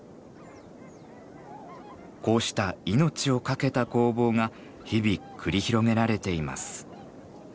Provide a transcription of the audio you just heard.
こうした命を懸けた攻防が日々繰り広げられています。